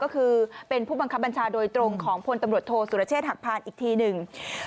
ก็คือเป็นผู้บังคับบัญชาโดยตรงของพลตำรวจโทษสุรเชษฐหักพานอีกทีหนึ่ง